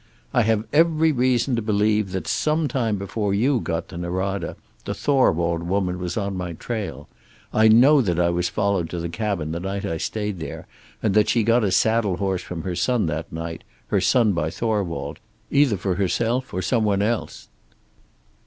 I have every reason to believe that, some time before you got to Norada, the Thorwald woman was on my trail. I know that I was followed to the cabin the night I stayed there, and that she got a saddle horse from her son that night, her son by Thorwald, either for herself or some one else."